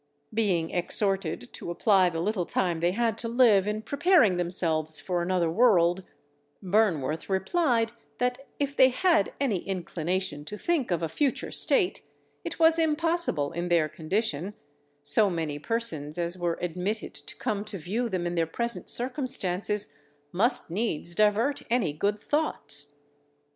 _ Being exhorted to apply the little time they had to live in preparing themselves for another world, Burnworth replied that if they had any inclination to think of a future state, it was impossible in their condition, so many persons as were admitted to come to view them in their present circumstances must needs divert any good thoughts.